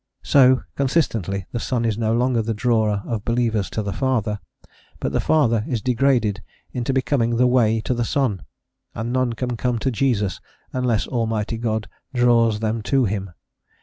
So, consistently, the Son is no longer the drawer of believers to the Father, but the Father is degraded into becoming the way to the Son, and none can come to Jesus unless Almighty God draws them to him.